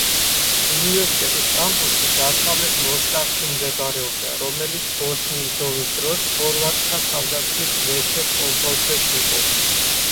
უნივერსიტეტის კამპუსი დასავლეთ მოსტარში მდებარეობდა, რომელიც ბოსნიის ომის დროს ხორვატთა თავდაცვის ვეჩეს კონტროლქვეშ იყო.